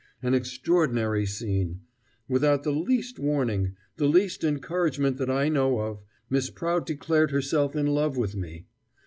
An extraordinary scene.... Without the least warning, the least encouragement that I know of, Miss Prout declared herself in love with me.